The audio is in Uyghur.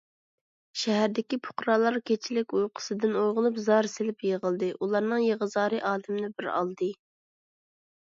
شەھەردىكى پۇقرالار كېچىلىك ئۇيقۇسىدىن ئويغىنىپ، زار سېلىپ يىغلىدى، ئۇلارنىڭ يىغا - زارى ئالەمنى بىر ئالدى.